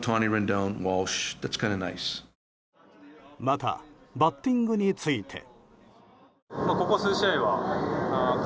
またバッティングについて。